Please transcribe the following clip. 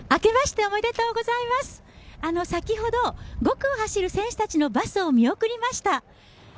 先ほど５区を走る選手たちのバスを見送りました。